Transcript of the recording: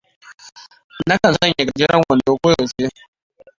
Na kan sanya gajeren wando ko yaushe.